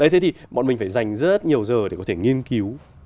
thế thì bọn mình phải dành rất nhiều giờ để có thể nghiên cứu